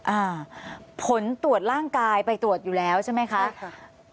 อ่าผลตรวจร่างกายไปตรวจอยู่แล้วใช่ไหมคะใช่ค่ะ